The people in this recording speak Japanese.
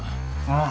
ああ。